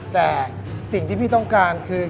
แต่สิ่งที่พี่ต้องการคือ